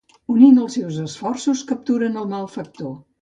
Unint els seus esforços, capturen el malfactor.